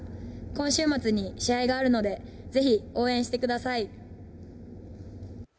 今週末に試合があるので、ぜひ、応援してください。